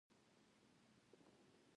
د دواب ولسوالۍ اوبه لري